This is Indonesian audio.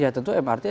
ya tentu mrt